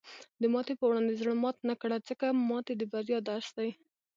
د ماتې په وړاندې زړۀ مات نه کړه، ځکه ماتې د بریا درس دی.